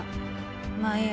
まあいいや。